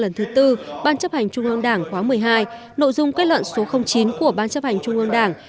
lần thứ tư ban chấp hành trung ương đảng khóa một mươi hai nội dung kết luận số chín của ban chấp hành trung ương đảng